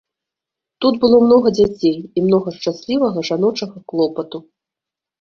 Тут было многа дзяцей і многа шчаслівага жаночага клопату.